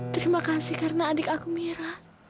terima kasih karena adik aku mira